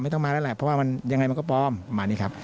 ต้องมาแล้วแหละเพราะว่ามันยังไงมันก็ปลอมประมาณนี้ครับ